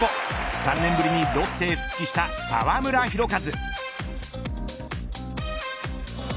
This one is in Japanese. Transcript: ３年ぶりにロッテへ復帰した澤村拓一。